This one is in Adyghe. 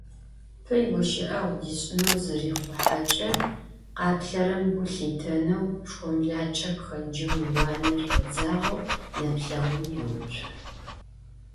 Пый гущыӏэгъу дишӏынэу зырихъухьэкӏэ къаплъэрэм гу лъитэнэу шхомлакӏэр пхэнджэу иуанэ шӏодзагъэу, нэплъэгъум еуцо.